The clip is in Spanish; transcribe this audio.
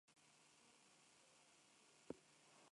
Hay tres cráteres activos en la cumbre.